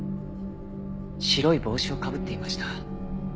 白い帽子をかぶっていました。